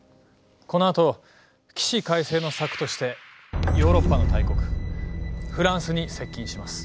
このあと起死回生の策としてヨーロッパの大国フランスに接近します。